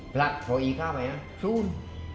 พลักภอีกครั้งไหมฟูล